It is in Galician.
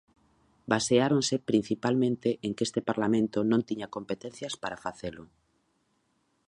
Baseáronse principalmente en que este Parlamento non tiña competencias para facelo.